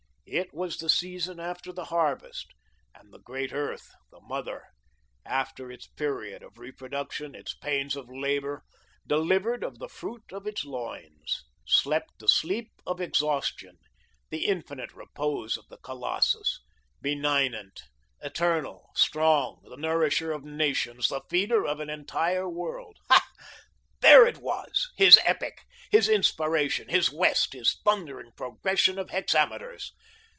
It was the season after the harvest, and the great earth, the mother, after its period of reproduction, its pains of labour, delivered of the fruit of its loins, slept the sleep of exhaustion, the infinite repose of the colossus, benignant, eternal, strong, the nourisher of nations, the feeder of an entire world. Ha! there it was, his epic, his inspiration, his West, his thundering progression of hexameters.